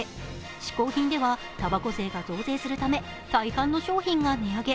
しこう品では、たばこ税が増税するため大半の商品が値上げ。